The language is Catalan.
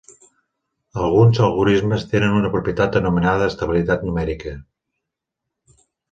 Alguns algorismes tenen una propietat anomenada estabilitat numèrica.